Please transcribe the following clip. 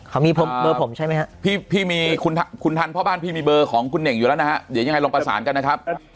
คุณทันพ่อบ้านพี่มีเบอร์ของคุณเน่งอยู่แล้วนะฮะเดี๋ยวยังไงลองประสานกันนะครับ